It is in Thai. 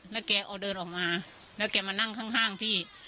แล้วแกเอาเดินออกมาแล้วแกมานั่งข้างพี่